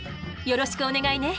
よろしくお願いね。